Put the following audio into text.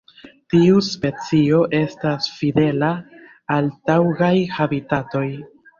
Tiu specio estas fidela al taŭgaj habitatoj.